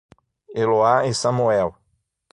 Eloá e Samuel